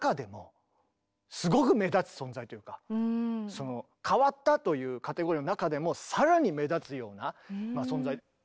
でも「変わった」というカテゴリーの中でも更に目立つような存在。